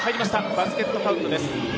バスケットカウントです。